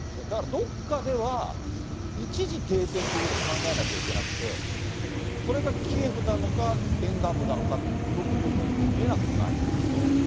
だからどっかでは、一時停戦ということを考えなきゃいけなくて、それがキエフなのか、沿岸部なのかというふうにも見えなくもないんですけど。